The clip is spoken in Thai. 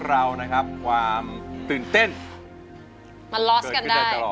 ขั้นหน้าเช่นเช่นกัน